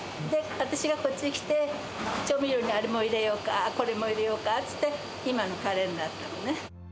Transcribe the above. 私がこっちに来て、調味料にあれも入れようか、これも入れようかって言って、今のカレーになったのね。